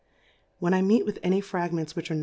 When I meet with any Fragments which are